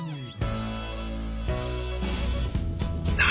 何？